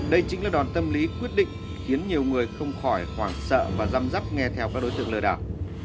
đây chính là đòn tâm lý quyết định khiến nhiều người không khỏi hoảng sợ và răm dắt nghe theo các đối tượng lừa đảo